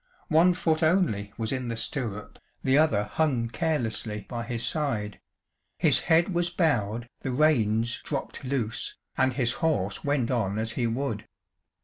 One foot only was in the stirrup, the other hung carelessly by his side; his head was bowed, the reins dropped loose, and his horse went on as he would.